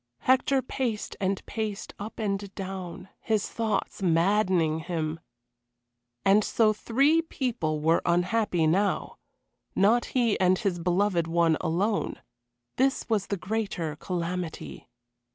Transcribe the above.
Hector paced and paced up and down, his thoughts maddening him. And so three people were unhappy now not he and his beloved one alone. This was the greater calamity.